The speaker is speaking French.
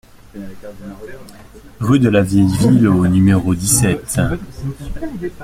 Rue de la Vieille Ville au numéro dix-sept